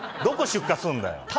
どこ出荷すんだよ。